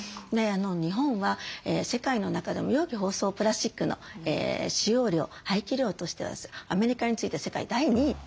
日本は世界の中でも容器包装プラスチックの使用量廃棄量としてはアメリカに次いで世界第２位ということなので